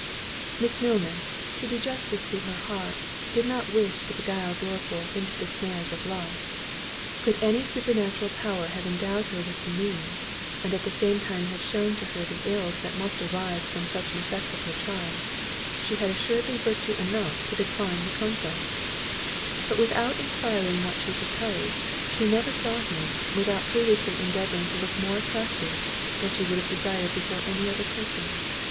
Miss Milner, to do justice to her heart, did not wish to beguile Dorriforth into the snares of love: could any supernatural power have endowed her with the means, and at the same time have shewn to her the ills that must arise from such an effect of her charms, she had assuredly virtue enough to have declined the conquest; but without enquiring what she proposed, she never saw him, without previously endeavouring to look more attractive, than she would have desired, before any other person.